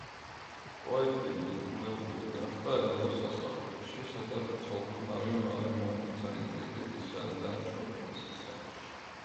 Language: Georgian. პოეტი იძულებული გახდა ევლო სასახლეში, სადაც ცოლ-ქმარი მალე მოექცა ინტრიგებისა და ჭორების ქსელში.